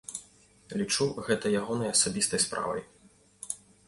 Лічу, гэта ягонай асабістай справай.